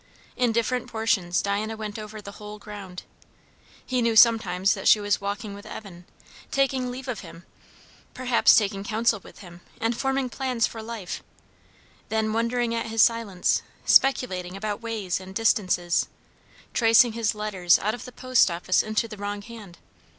In different portions, Diana went over the whole ground. He knew sometimes that she was walking with Evan, taking leave of him; perhaps taking counsel with him, and forming plans for life; then wondering at his silence, speculating about ways and distances, tracing his letters out of the post office into the wrong hand.